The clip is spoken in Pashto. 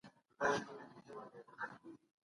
په ټولنه کې سندرې کول ټولنیز عمل ګڼل کېږي.